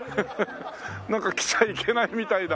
なんか来ちゃいけないみたいだ。